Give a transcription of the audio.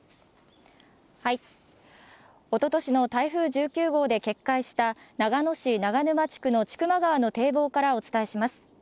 おととしの台風１９号で決壊した長野市長沼地区の千曲川の堤防からお伝えします。